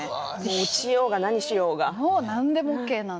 落ちようが何しようが。